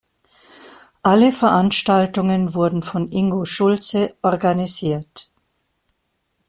Alle Veranstaltungen wurden von Ingo Schulze organisiert.